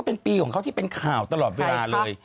เป็นปีของเขาที่เป็นข่าวตลอดเวลาเลย